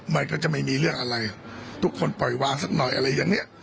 มันก็จะไม่มีเรื่องอะไรทุกคนปล่อยวางสักหน่อยอะไรอย่างเนี้ย